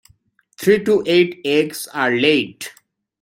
Three to eight eggs are laid.